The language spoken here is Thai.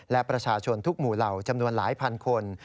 และประชาชนทุกหมู่เหล่าจำนวนหลายพันคน